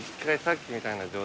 さっきみたいな状態に。